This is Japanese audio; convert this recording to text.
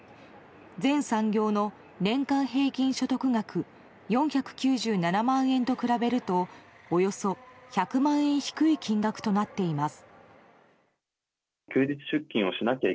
全産業の年間平均所得額４９７万円と比べるとおよそ１００万円低い金額となっています。